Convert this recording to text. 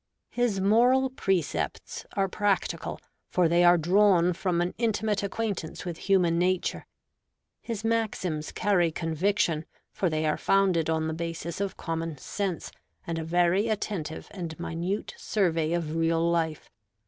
His moral precepts are practical, for they are drawn from an intimate acquaintance with human nature. His maxims carry conviction, for they are founded on the basis of common sense and a very attentive and minute survey of real life.